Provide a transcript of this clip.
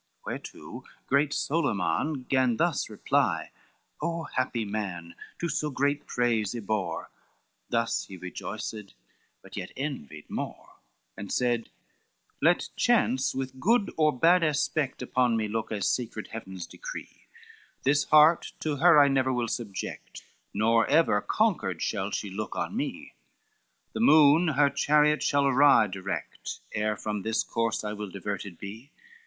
Whereto great Solyman gan thus reply: "O happy man to so great praise ybore!" Thus he rejoiced, but yet envied more; XXIV And said, "Let chance with good or bad aspect Upon me look as sacred Heaven's decree, This heart to her I never will subject, Nor ever conquered shall she look on me; The moon her chariot shall awry direct Ere from this course I will diverted be."